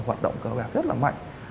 hoạt động cơ bản rất là mạnh